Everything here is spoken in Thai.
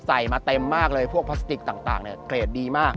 ใส่มาเต็มมากเลยพวกพลาสติกต่างเกรดดีมาก